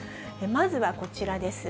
まずはこちらです。